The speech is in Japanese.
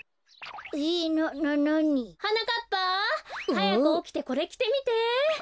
はやくおきてこれきてみて。